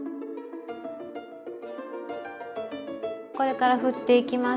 これからふっていきます。